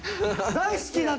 「大好きな」。